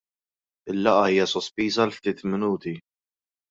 Il-laqgħa hija sospiża għal ftit minuti.